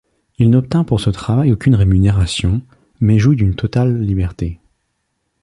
Il n'obtint pour ce travail aucune rémunération, mais jouit d'une totale liberté.